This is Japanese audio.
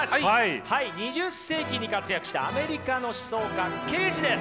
２０世紀に活躍したアメリカの思想家ケージです。